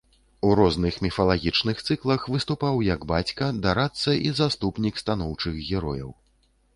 У розных міфалагічных цыклах выступаў як бацька, дарадца і заступнік станоўчых герояў.